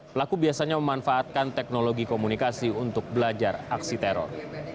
pelaku biasanya memanfaatkan teknologi komunikasi untuk belajar aksi teror